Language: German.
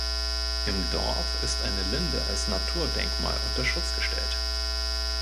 Im Dorf ist eine Linde als Naturdenkmal unter Schutz gestellt.